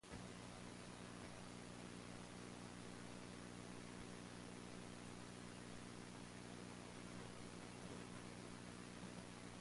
Martinet predicted that perceptually similar pairs of phonemes with low functional load would merge.